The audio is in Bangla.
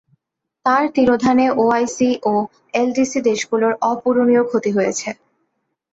তাঁর তিরোধানে ওআইসি ও এলডিসি দেশগুলোর অপূরণীয় ক্ষতি হয়েছে।